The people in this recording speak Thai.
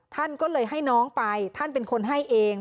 ท่านก็เลยให้น้องไปท่านเป็นคนให้เอง